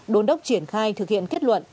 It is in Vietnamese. đốn đốc triển khai thực hiện kết luận